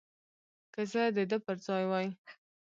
که زه د ده پر ځای وای.